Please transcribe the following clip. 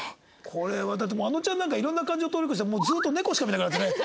これはだってもうあのちゃんなんかいろんな感情を通り越してずっと猫しか見なくなっちゃったね。